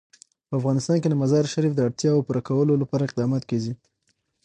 په افغانستان کې د مزارشریف د اړتیاوو پوره کولو لپاره اقدامات کېږي.